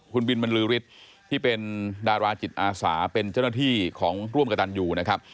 คุณบินบรรลือฤทธิ์ที่เป็นดาราจิตอาสาเป็นเจ้าหน้าที่ของร่วมกระตันอยู่นะครับ